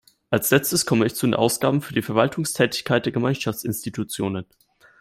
Als letztes komme ich zu den Ausgaben für die Verwaltungstätigkeit der Gemeinschaftsinstitutionen.